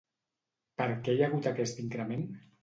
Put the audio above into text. Per què hi ha hagut aquest increment?